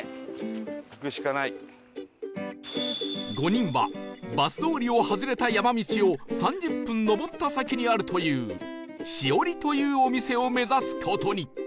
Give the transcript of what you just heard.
５人はバス通りを外れた山道を３０分上った先にあるという「しおり」というお店を目指す事に